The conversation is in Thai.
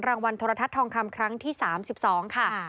โทรทัศน์ทองคำครั้งที่๓๒ค่ะ